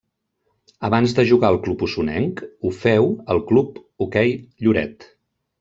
Abans de jugar al club osonenc ho féu al Club Hoquei Lloret.